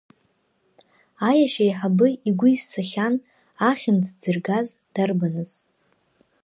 Аиашьеиҳабы игәы изцахьан ахьымӡӷ дзыргаз дарбаныз.